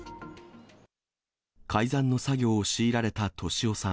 改ざんの作業を強いられた俊夫さん。